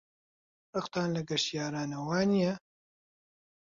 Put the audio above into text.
ڕقتان لە گەشتیارانە، وانییە؟